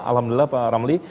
alhamdulillah pak ramli